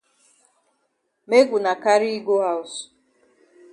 Make wuna carry yi go haus.